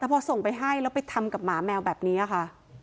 แต่พอส่งไปให้แล้วไปทำกับหมาแมวแบบนี้ค่ะ